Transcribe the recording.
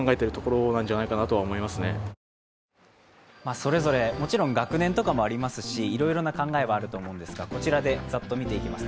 それぞれ、もちろん学年とかもありますしいろいろな考えはあると思うんですが、こちらでざっと見ていきます